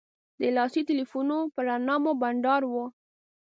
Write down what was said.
د لاسي تیلفونو په رڼا مو بنډار و.